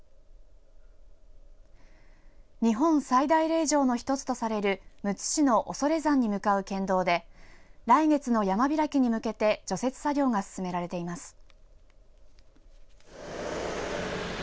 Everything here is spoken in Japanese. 日本最大霊場の一つとされるむつ市の恐山に向かう県道で来月の山開きに向けて除雪作業が進められています。